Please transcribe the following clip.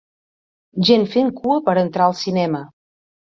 Gent fent cua per entrar al cinema